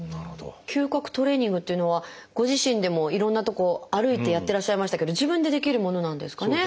嗅覚トレーニングっていうのはご自身でもいろんなとこを歩いてやってらっしゃいましたけど自分でできるものなんですかね。